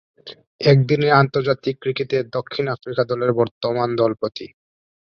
একদিনের আন্তর্জাতিক ক্রিকেটে দক্ষিণ আফ্রিকা দলের বর্তমান দলপতি।